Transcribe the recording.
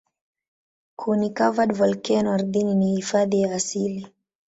Kuni-covered volkeno ardhini ni hifadhi ya asili.